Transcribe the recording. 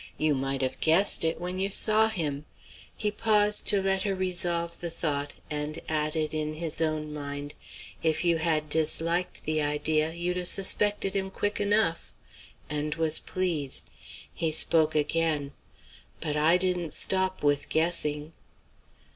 You might have guessed it when you saw him." He paused to let her revolve the thought, and added in his own mind "If you had disliked the idea, you'd 'a' suspected him quick enough" and was pleased. He spoke again. "But I didn't stop with guessing."